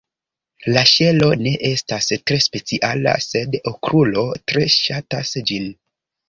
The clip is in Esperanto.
La ŝelo ne estas tre speciala, sed Okrulo tre ŝatas ĝin.